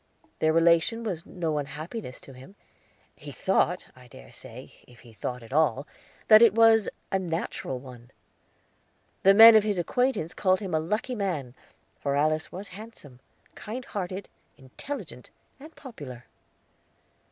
Their relation was no unhappiness to him; he thought, I dare say, if he thought at all, that it was a natural one. The men of his acquaintance called him a lucky man, for Alice was handsome, kind hearted, intelligent, and popular.